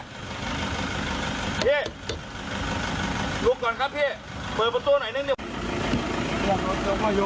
พี่ลุกก่อนครับพี่เปิดประตูหน่อยนึง